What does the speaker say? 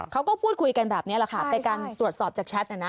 เขาก็พูดคุยกันแบบนี้แหละค่ะเป็นการตรวจสอบจากแชทนะนะ